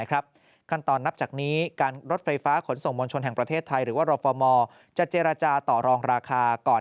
ขั้นตอนนับจากนี้การรถไฟฟ้าขนส่งมวลชนแห่งประเทศไทยหรือว่ารฟมจะเจรจาต่อรองราคาก่อน